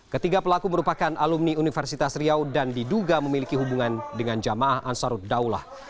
ketiga pelaku merupakan alumni universitas riau dan diduga memiliki hubungan dengan jamaah ansarud daulah